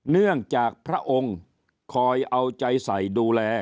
เนื่องจากพระองค์คอยเอาใจใส่ดูแล